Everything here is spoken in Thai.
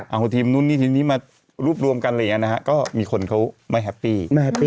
เอาทีมนู่นนี่ทีมนี้มารวบรวมกันอะไรอย่างนี้นะฮะก็มีคนเขาไม่แฮปปี้